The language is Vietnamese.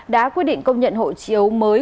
đã quyết định công nhận hộ chiếu mới